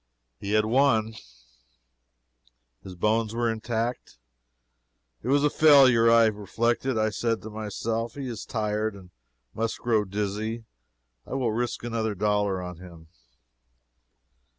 He had won. His bones were intact. It was a failure. I reflected. I said to myself, he is tired, and must grow dizzy. I will risk another dollar on him.